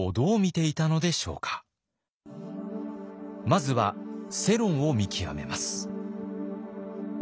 まずは世論を見極めます。